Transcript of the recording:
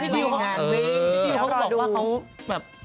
พี่ติวเขาก็บอกว่าเขา